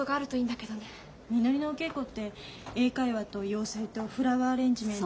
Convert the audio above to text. みのりのお稽古って英会話と洋裁とフラワーアレンジメント。